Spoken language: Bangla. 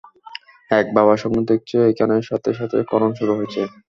এক বাবা স্বপ্নে দেখছে এইখানে, সাথে সাথে খনন শুরু হইছে।